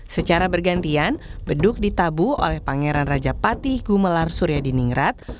secara bergantian beduk ditabu oleh pangeran raja patih gumelar surya di ningrat